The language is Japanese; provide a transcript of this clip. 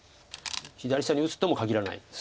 左下に打つとも限らない。